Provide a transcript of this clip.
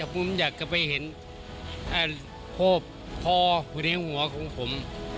ผมอยากไปเห็นพวกพ่อหัวของผม